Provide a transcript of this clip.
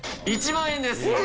１万円です。